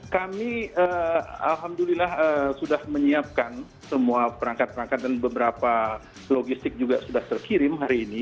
kami alhamdulillah sudah menyiapkan semua perangkat perangkat dan beberapa logistik juga sudah terkirim hari ini